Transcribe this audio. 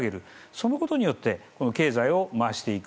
そのことによって経済を回していく。